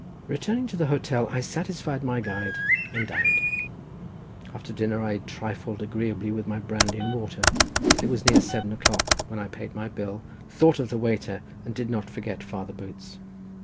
Returning to the hotel I satisfied my guide and dined. After dinner I trifled agreeably with my brandy and water till it was near seven o'clock when I paid my bill, thought of the waiter and did not forget Father Boots.